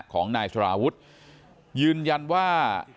ของนายสารวุฒิยืนยันว่า